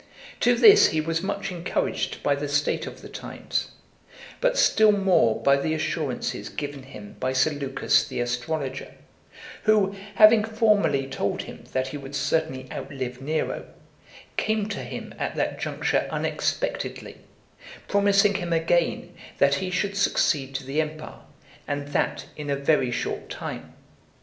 To this he was much encouraged by the state of the times, but still more by the assurances given him by Seleucus, the astrologer, who, having formerly told him that he would certainly out live Nero, came to him at that juncture unexpectedly, promising him again that he should succeed to the empire, and that in a very short time.